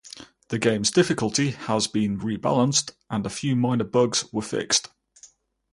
The game's difficulty has been rebalanced and a few minor bugs were fixed.